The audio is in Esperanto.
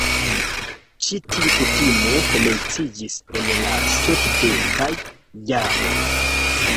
Ĉi-tiu kutimo komenciĝis en la sepdekaj jaroj.